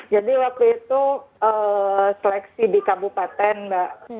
jadi waktu itu seleksi di kabupaten mbak